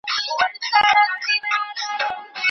روژه راځي، ملا اذان کوي اختر نه لري